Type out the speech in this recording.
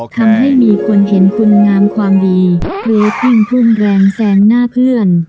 ทำให้มีคนเห็นคุณงามความดีหรือพุ่งพุ่งแรงแซงหน้าเพื่อน